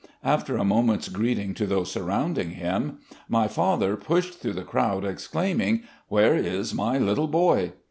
After a moment's greeting to those surrounding him, my father pushed through the crowd, exclaiming: " Where is my little boy